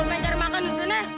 lu mau cari makan di sini